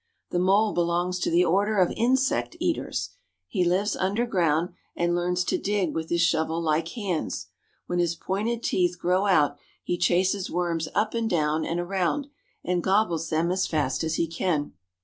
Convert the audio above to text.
The mole belongs to the Order of Insect Eaters. He lives underground, and learns to dig with his shovel like hands. When his pointed teeth grow out he chases worms up and down and around, and gobbles them as fast as he can.